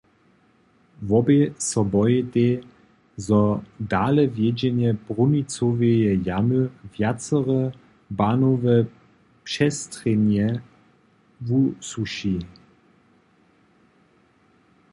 Wobě so bojitej, zo dalewjedźenje brunicoweje jamy wjacore bahnowe přestrjenje wusuši.